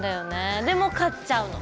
でも買っちゃうの。